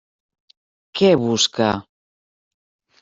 Què busca?